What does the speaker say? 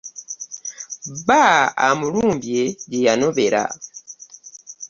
Bba amulumbye gye yanobera.